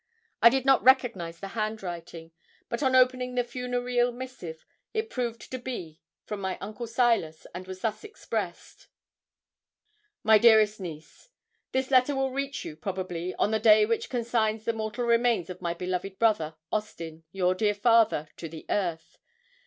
I did not recognise the handwriting; but on opening the funereal missive, it proved to be from my uncle Silas, and was thus expressed: 'MY DEAREST NIECE, This letter will reach you, probably, on the day which consigns the mortal remains of my beloved brother, Austin, your dear father, to the earth.